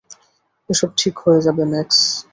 এসব ঠিক হয়ে যাবে, ম্যাক্স।